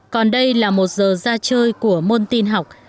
còn đây là một giờ ra chơi của môn tin học